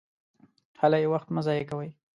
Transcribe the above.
هلئ! وخت مه ضایع کوئ!